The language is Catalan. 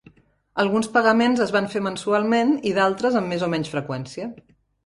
Alguns pagaments es van fer mensualment i d'altres amb més o menys freqüència.